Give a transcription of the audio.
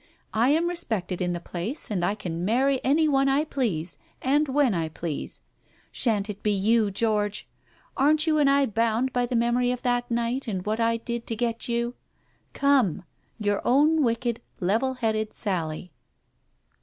I am respected in the place, and I can marry any one I please, and when I please. Shan't it be you, George? Aren't you and I bound by the memory of that night and what I did to get you ? Come. Your own wicked, level headed Sally.